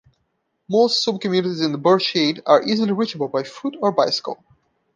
Most sub-communities in Burscheid are easily reachable by foot or bicycle.